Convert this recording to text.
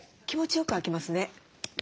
気持ちよく開きますね。